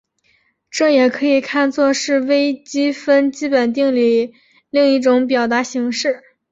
这也可以看作是微积分基本定理另一个表达形式。